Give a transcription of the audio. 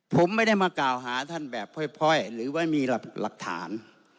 ผมไม่ได้มากล่าวหาท่านแบบค่อยหรือไม่มีหลักฐาน